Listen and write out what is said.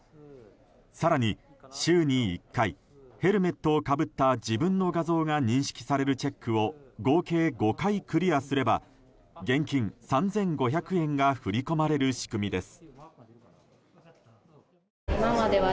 更に週に１回ヘルメットをかぶった自分の画像が認識されるチェックを合計５回クリアすれば現金３５００円が振り込まれる仕組みです。